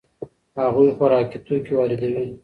هغوی خوراکي توکي واردوي.